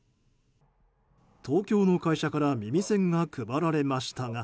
東京の会社から耳栓が配られましたが。